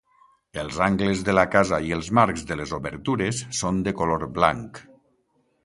Els angles de la casa i els marcs de les obertures són de color blanc.